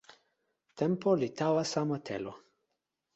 tenpo li tawa sama telo.